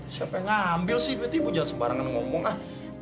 saya ngambil sih duit ibu jangan sembarangan ngomong ah